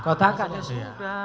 kotakan ya sudah